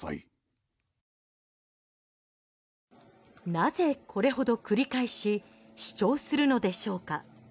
なぜこれほど繰り返し主張するのでしょうか？